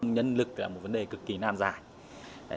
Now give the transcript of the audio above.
nhân lực là một vấn đề cực kỳ nan dài